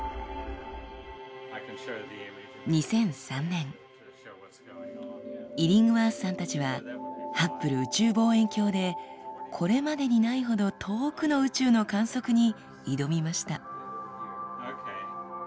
２００３年イリングワースさんたちはハッブル宇宙望遠鏡でこれまでにないほど遠くの宇宙の観測に挑みました。